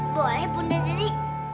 boleh bunda dabi